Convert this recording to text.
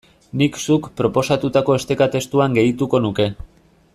Nik zuk proposatutako esteka testuan gehituko nuke.